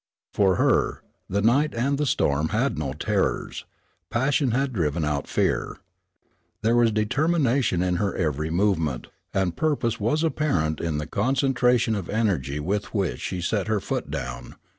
For her, the night and the storm had no terrors; passion had driven out fear. There was determination in her every movement, and purpose was apparent in the concentration of energy with which she set her foot down.